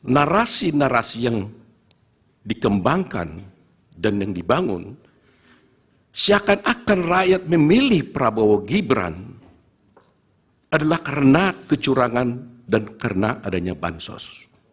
narasi narasi yang dikembangkan dan yang dibangun seakan akan rakyat memilih prabowo gibran adalah karena kecurangan dan karena adanya bansos